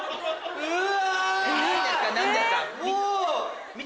うわ！